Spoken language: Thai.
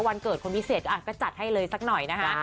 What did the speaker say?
วันเกิดคนพิเศษก็จัดให้เลยสักหน่อยนะคะ